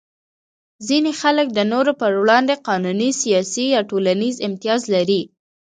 ځینې خلک د نورو په وړاندې قانوني، سیاسي یا ټولنیز امتیاز لري.